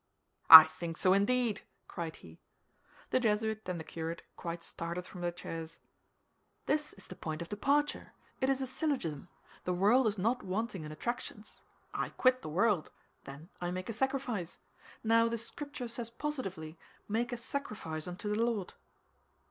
"I think so, indeed," cried he. The Jesuit and the curate quite started from their chairs. "This is the point of departure; it is a syllogism. The world is not wanting in attractions. I quit the world; then I make a sacrifice. Now, the Scripture says positively, 'Make a sacrifice unto the Lord.